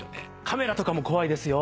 カメラとかも怖いですよ。